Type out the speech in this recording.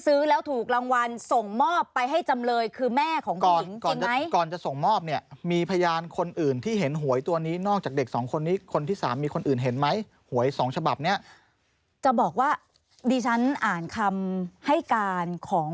เอาใหม่ซื้อลอตเตอรี่ก่อน